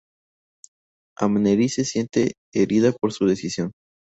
Amneris se siente herida por su decisión.